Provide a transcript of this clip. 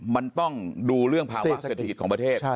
มันต้องดูเรื่องภาวะเศรษฐกิจของประเทศ